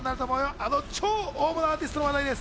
あの超大物アーティストの話題です。